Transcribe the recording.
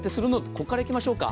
ここからいきましょうか。